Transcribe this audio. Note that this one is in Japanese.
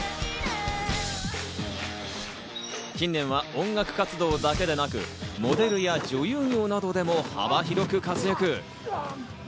近年は音楽活動だけでなく、モデルや女優業などでも幅広く活躍。